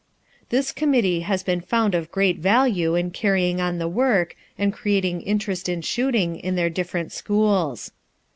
This committee has been found of great value in carrying on the work and creating interest in shooting in their different schools.